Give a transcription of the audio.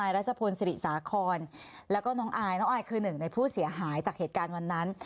รัชพลศิริสาครแล้วก็น้องอายน้องอายคือหนึ่งในผู้เสียหายจากเหตุการณ์วันนั้น